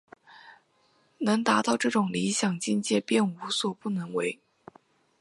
能达到这种理想境界便无所不能为。